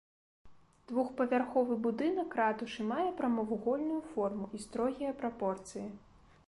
Двухпавярховы будынак ратушы мае прамавугольную форму і строгія прапорцыі.